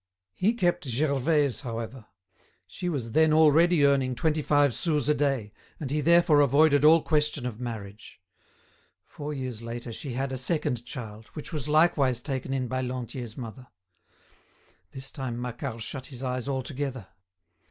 He kept Gervaise, however; she was then already earning twenty five sous a day, and he therefore avoided all question of marriage. Four years later she had a second child, which was likewise taken in by Lantier's mother. This time Macquart shut his eyes altogether.